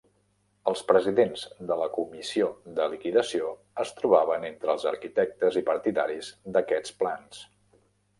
Els presidents de la Comissió de liquidació es trobaven entre els arquitectes i partidaris d'aquests plans.